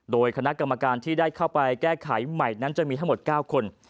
โดยคณะกรรมการที่ได้เข้าไปแก้ไขใหม่นั้นจะมีทั้งหมด๙คน